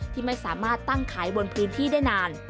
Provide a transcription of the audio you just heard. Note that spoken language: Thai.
ที่ไม่สามารถตั้งขายบนพื้นที่ได้นาน